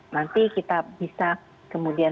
nanti kita bisa kemudian